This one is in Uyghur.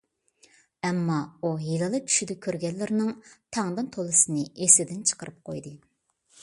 ئەمما، ئۇ ھېلىلا چۈشىدە كۆرگەنلىرىنىڭ تەڭدىن تولىسىنى ئېسىدىن چىقىرىپ قويدى.